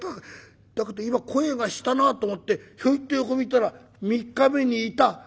だけど今声がしたな」と思ってひょいっと横見たら３日目にいた。